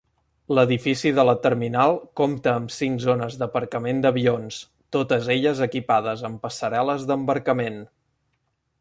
L'edifici de la terminal compta amb cinc zones d'aparcament d'avions, totes elles equipades amb passarel·les d'embarcament.